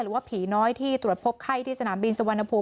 หรือว่าผีน้อยที่ตรวจพบไข้ที่สนามบินสุวรรณภูมิ